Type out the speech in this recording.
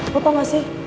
lo tau gak sih